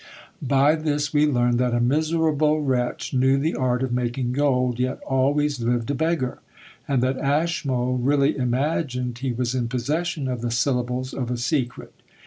By this we learn that a miserable wretch knew the art of making gold, yet always lived a beggar; and that Ashmole really imagined he was in possession of the syllables of a secret!